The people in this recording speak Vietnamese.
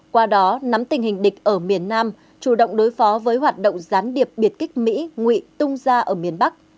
qua đó nắm tình hình địch ở miền nam chủ động đối phó với hoạt động gián điệp biệt kích mỹ ngụy tung gia